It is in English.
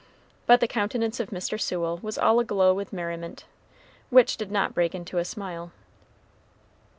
But the countenance of Mr. Sewell was all aglow with merriment, which did not break into a smile.